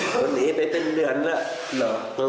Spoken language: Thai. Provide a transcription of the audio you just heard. เขาหนีไปเป็นเดือนแล้ว